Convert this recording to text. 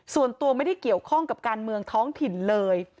ส่วนตัวไม่ได้เกี่ยวข้องกับการเมืองท้องถิ่นเลย